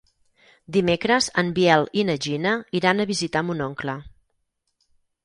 Dimecres en Biel i na Gina iran a visitar mon oncle.